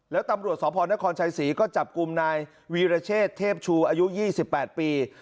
แล้วตำรวจสพนครชัยศรีก็จับกลุ่มนายวีรเชษเทพชูอายุ๒๘ปี